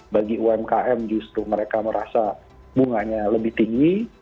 bagi umkm justru mereka merasa bunganya lebih tinggi